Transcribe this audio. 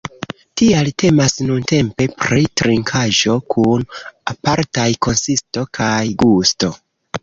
Tial temas nuntempe pri trinkaĵo kun apartaj konsisto kaj gusto.